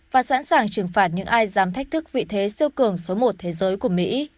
và sẵn sàng trừng phạt những ai dám thách thức vị thế siêu cường số một thế giới của mỹ